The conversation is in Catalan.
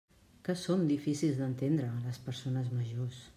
Que són difícils d'entendre, les persones majors!